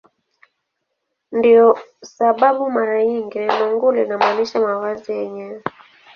Ndiyo sababu mara nyingi neno "nguo" linamaanisha mavazi yenyewe.